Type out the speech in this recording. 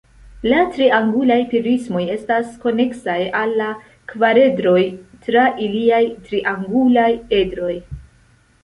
La triangulaj prismoj estas koneksaj al la kvaredroj tra iliaj triangulaj edroj.